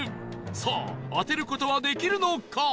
さあ当てる事はできるのか？